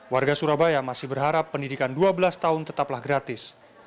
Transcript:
warga surabaya masih berharap pendidikan dua belas tahun tetaplah gratis